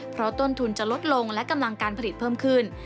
เพราะต้นทุนจะลดลงและกำลังการผลิตเพิ่มขึ้น